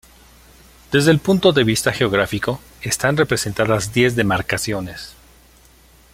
Desde el punto de vista geográfico, están representadas diez demarcaciones.